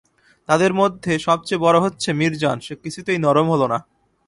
তাদের মধ্যে সব চেয়ে বড়ো হচ্ছে মিরজান, সে কিছুতেই নরম হল না।